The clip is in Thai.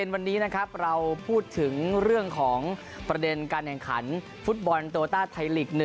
วันนี้นะครับเราพูดถึงเรื่องของประเด็นการแข่งขันฟุตบอลโตต้าไทยลีก๑